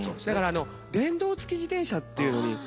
だから電動付き自転車っていうのに。